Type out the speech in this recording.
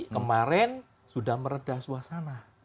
kemarin sudah meredah suasana